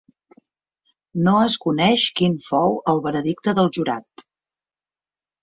No es coneix quin fou el veredicte del jurat.